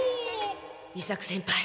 伊作先輩